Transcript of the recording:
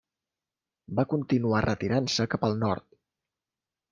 Va continuar retirant-se cap al nord.